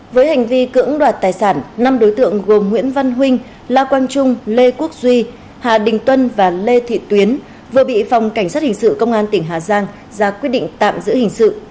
với hành vi cưỡng đoạt tài sản năm đối tượng gồm nguyễn văn huynh la quang trung lê quốc duy hà đình tuân và lê thị tuyến vừa bị phòng cảnh sát hình sự công an tỉnh hà giang ra quyết định tạm giữ hình sự